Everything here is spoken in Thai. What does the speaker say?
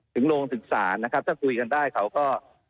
โรงศึกษานะครับถ้าคุยกันได้เขาก็